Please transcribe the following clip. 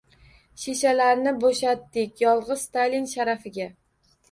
Shishalarni bo’shatdik, yolg’iz Stalin sharafiga.